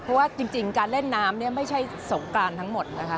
เพราะว่าจริงการเล่นน้ำเนี่ยไม่ใช่สงกรานทั้งหมดนะคะ